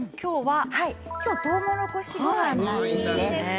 今日はとうもろこしごはんです。